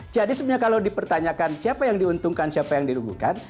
sebenarnya kalau dipertanyakan siapa yang diuntungkan siapa yang diruguhkan